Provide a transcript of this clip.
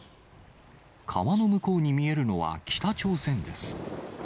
川の向こうに見えるのは北朝鮮です。